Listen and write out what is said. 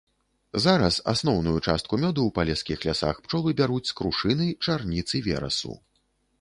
Зараз асноўную частку мёду ў палескіх лясах пчолы бяруць з крушыны, чарніц і верасу.